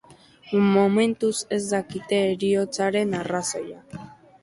Momentuz, ez dakite heriotzaren arrazoia.